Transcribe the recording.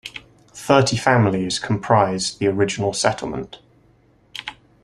Thirty families comprised the original settlement.